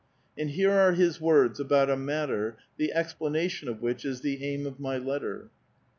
And here are his words about a matter, the expla nation of which is the aim of my letter.